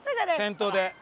先頭で。